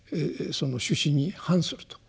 その趣旨に反すると。